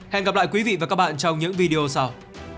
hẹn gặp lại quý vị và các bạn trong những video sau